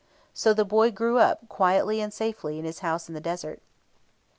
So the boy grew up quietly and safely in his house in the desert.